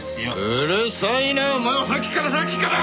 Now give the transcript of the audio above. うるさいなお前はさっきからさっきから！